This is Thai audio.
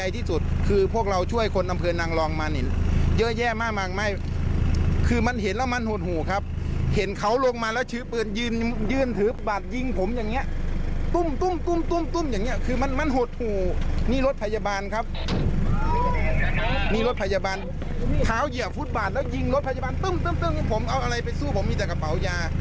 เท้าเหยียบฟุตบาร์ดแล้วยิงรถพยาบาลผมเอาอะไรไปสู้ผมมีแต่กระเป๋ายา